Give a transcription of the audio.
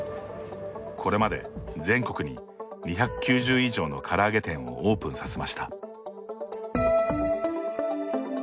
これまで全国に２９０以上のから揚げ店をオープンさせました。